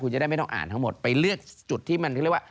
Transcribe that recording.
จะได้ไม่ต้องอ่านทั้งหมดไปเลือกจุดที่มันเรียกว่า